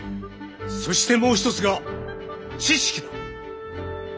そしてもう一つが知識だ。